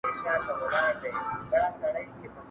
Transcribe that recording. د هغه نعمتونه به تاته او د يعقوب اولادې ته بشپړ درکړي.